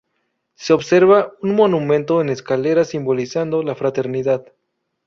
Se observa un monumento en escaleras simbolizando la fraternidad.